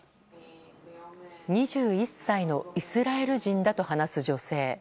２１歳のイスラエル人だと話す女性。